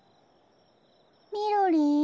みろりん。